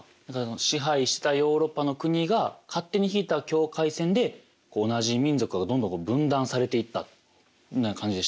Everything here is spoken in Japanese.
支配してたヨーロッパの国が勝手に引いた境界線で同じ民族がどんどん分断されていったみたいな感じでしたよね。